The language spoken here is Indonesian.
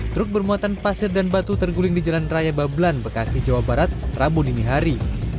truk bermuatan pasir dan batu terguling di jalan raya babelan bekasi jawa barat rabu dini hari